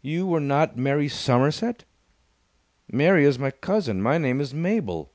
"You were not Mary Somerset?" "Mary is my cousin. My name is Mabel."